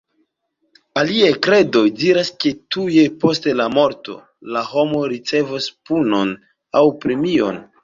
Aliaj kredoj diras ke tuj post la morto, la homoj ricevos punon aŭ premion.